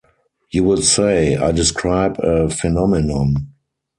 You will say, I describe a phenomenon.